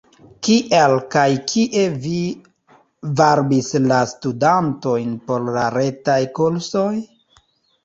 Kiel kaj kie vi varbis la studantojn por la retaj kursoj?